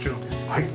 はい。